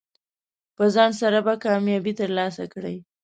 په ځنډ سره به کامیابي ترلاسه کړئ.